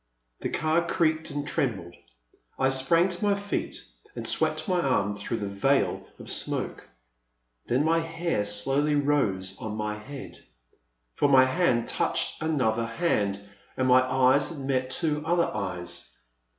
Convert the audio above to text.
The car creaked and trembled. I sprang to my feet, and swept my arm through the veil of The Man at the Next Table. 383 smoke. Then my hair slowly rose on my head. For my hand touched another hand, and my eyes had met two other eyes.